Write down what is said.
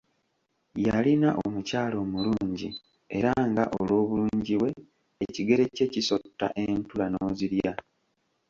Yalina omukyala omulungi era nga olw’obulungi bwe, ekigere kye kisotta entula n’ozirya.